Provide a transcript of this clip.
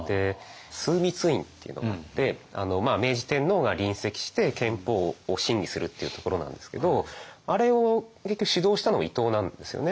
枢密院っていうのがあって明治天皇が臨席して憲法を審議するっていうところなんですけどあれを結局指導したのも伊藤なんですよね。